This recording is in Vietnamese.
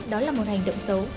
đó là một hành động xấu